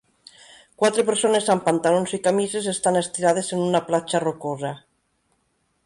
Quatre persones amb pantalons i camises estan estirades en una platja rocosa.